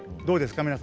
どうですか？